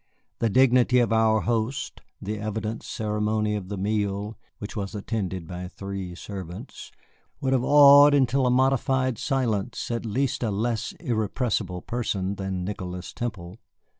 The dignity of our host, the evident ceremony of the meal, which was attended by three servants, would have awed into a modified silence at least a less irrepressible person than Nicholas Temple.